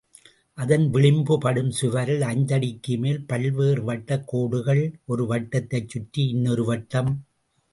அதன் விளிம்பு படும் சுவரில் ஐந்தடிக்குமேல் பல்வேறு வட்டக் கோடுகள்... ஒரு வட்டத்தைச் சுற்றி இன்னொரு வட்டம்.